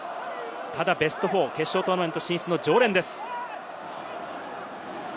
ただベスト４、決勝トーナメントの常連です。